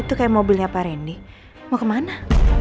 itu kayak mobilnya pak randy mau kemana